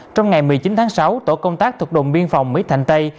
trong ngày một mươi chín tháng sáu tổ công tác thuộc đồn biên phòng mỹ thạnh tây